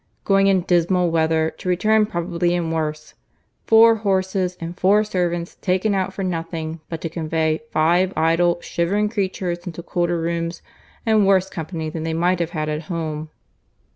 Going in dismal weather, to return probably in worse;—four horses and four servants taken out for nothing but to convey five idle, shivering creatures into colder rooms and worse company than they might have had at home."